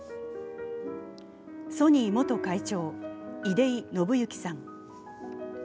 ソニー元会長・出井伸之さん。